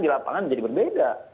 di lapangan menjadi berbeda